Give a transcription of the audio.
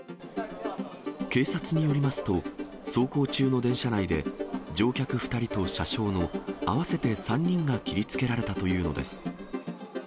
警察によりますと、走行中の電車内で、乗客２人と車掌の合わせて３人が切りつけられたというのです。